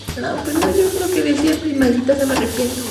El cantón de Moravia es famoso por su producción de artesanías.